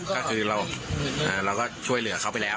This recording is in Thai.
ก็คือเราก็ช่วยเหลือเขาไปแล้ว